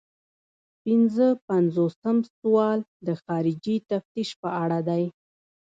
پنځه پنځوسم سوال د خارجي تفتیش په اړه دی.